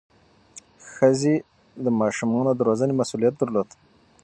ښځې د ماشومانو د روزنې مسؤلیت درلود.